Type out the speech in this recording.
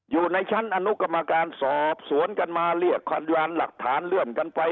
อยู่ในชั้นเป็นออนุกรรมการสอบสวนกันมาเช่นขันดูรางหลักฐานเรื่องกันไฟ